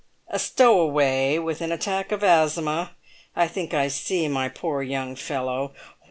"A stowaway with an attack of asthma! I think I see my poor young fellow!